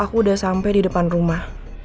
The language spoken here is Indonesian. aku udah sampai di depan rumah